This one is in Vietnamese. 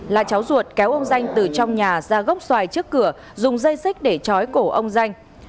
là cháu ruột kéo ông danh từ trong nhà ra gốc xoài trước cửa dùng dây xích để chói cổ ông danh